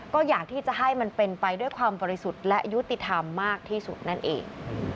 ก็อยากที่จะให้มันเป็นไปด้วยความบริสุทธิ์และยุติธรรมมากที่สุดนั่นเอง